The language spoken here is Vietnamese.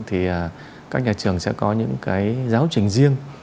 thì các nhà trường sẽ có những cái giáo trình riêng